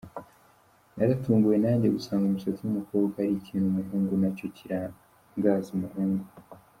Naratunguwe nanjye gusanga umusatsi w’umukobwa ari ikintu umuhungu nacyo kirangaza umuhungu.